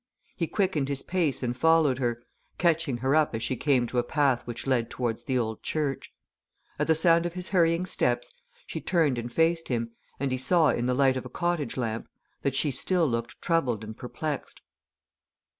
He quickened his pace and followed her, catching her up as she came to a path which led towards the old church. At the sound of his hurrying steps she turned and faced him, and he saw in the light of a cottage lamp that she still looked troubled and perplexed.